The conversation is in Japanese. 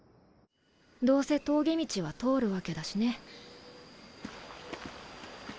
どうせ峠道は通るわけだしね。